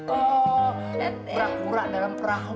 oh pura pura dalam perahu